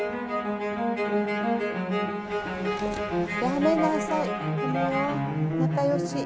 やめなさい。